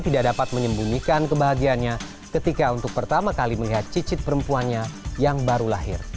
tidak dapat menyembunyikan kebahagiaannya ketika untuk pertama kali melihat cicit perempuannya yang baru lahir